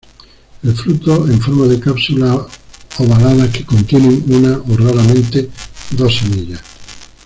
El fruto en forma de cápsulas ovaladas que contienen una o raramente dos semillas.